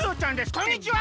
こんにちは。